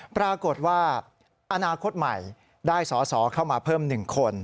ปรากฏว่าอนาคตใหม่ได้สอสอเข้ามาเพิ่ม๑คน